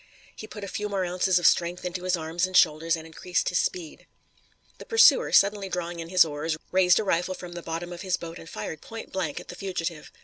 He put a few more ounces of strength into his arms and shoulders and increased his speed. The pursuer, suddenly drawing in his oars, raised a rifle from the bottom of his boat, and fired point blank at the fugitive.